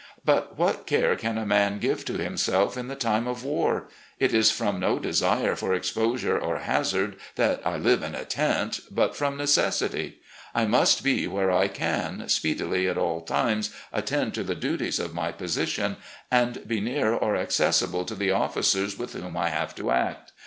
. But what care can a man give to himself in the time of war? It is from no desire for exposure or hazard that I live in a tent, but from necessity. I must be where I can, speedily, at all times, attend to the duties of my position, and be near or accessible to the officers with whom I have to act.